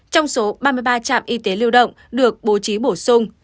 trong số ba mươi ba trạm y tế lưu động được bố trí bổ sung